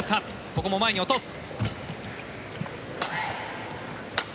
ここも前に落とす。